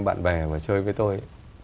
bạn bè mà chơi với tôi